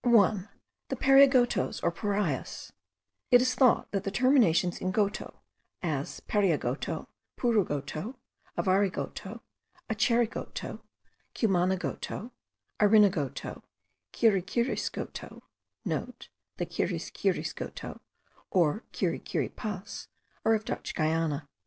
1. The Pariagotos or Parias. It is thought that the terminations in goto, as Pariagoto, Purugoto, Avarigoto, Acherigoto, Cumanagoto, Arinagoto, Kirikirisgoto,* (* The Kirikirisgotos (or Kirikiripas) are of Dutch Guiana.